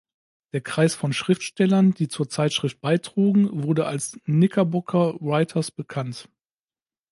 Der Kreis von Schriftstellern, die zur Zeitschrift beitrugen, wurde als "Knickerbocker Writers" bekannt.